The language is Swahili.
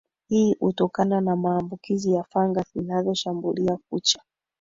hii hutokana na maambukizi ya fangasi zinazoshambulia kucha